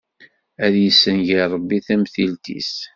Ad yessenger Ṛebbi tamtilt-is!